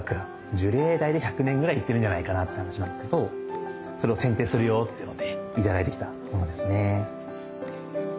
樹齢大体１００年ぐらいいってるんじゃないかなって話なんですけどそれを剪定するよっていうので頂いてきたものですね。